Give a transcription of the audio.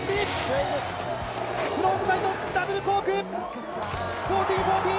フロントサイドダブルコーク１４４０。